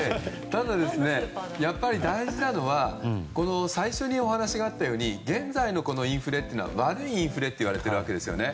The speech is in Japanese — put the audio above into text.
ただ、やっぱり大事なのは最初にお話があったように現在の、このインフレというのは悪いインフレといわれていますよね。